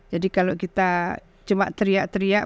jadi kalau kita cuma teriak teriak